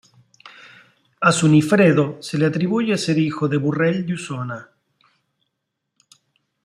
A Sunifredo se le atribuye ser hijo de Borrell de Osona.